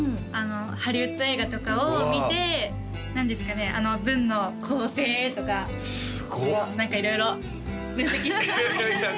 ハリウッド映画とかを見て何ですかね文の構成とか何か色々分析してますいや